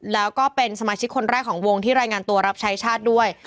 แล้วก็เป็นสมาชิกคนแรกของวงที่รายงานตัวรับใช้ชาติด้วย